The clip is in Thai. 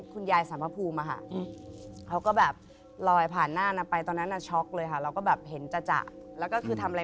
คุณยายสามะภูมีมา